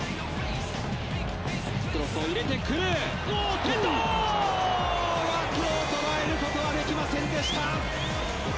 枠を捉えることができませんでした。